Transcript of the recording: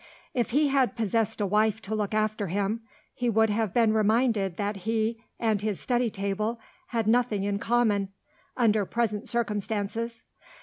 If he had possessed a wife to look after him, he would have been reminded that he and his study table had nothing in common, under present circumstances.